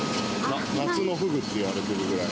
夏のフグって言われてるぐらい。